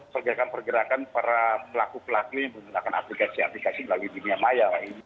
pergerakan pergerakan para pelaku pelaku yang menggunakan aplikasi aplikasi melalui dunia maya